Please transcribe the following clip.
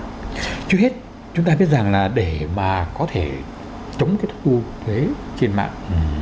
trước hết chúng ta biết rằng là để mà có thể chống cái thu thuế trên mạng